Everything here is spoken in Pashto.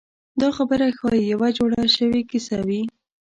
دا خبره ښایي یوه جوړه شوې کیسه وي.